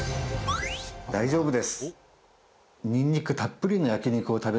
大丈夫です。